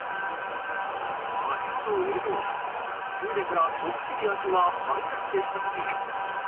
足元を見るとトイレからちょっぴり足がはみ出してしまっている。